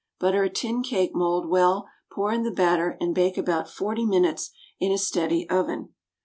Butter a tin cake mould well, pour in the batter and bake about forty minutes in a steady oven.